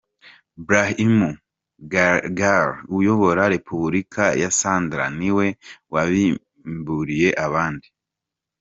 : Brahim Ghali uyobora Repubulika ya Sahara niwe wabimburiye abandi.